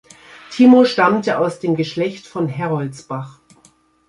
Timo stammte aus dem Geschlecht von Heroldsbach.